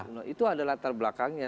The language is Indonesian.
nah itu ada latar belakangnya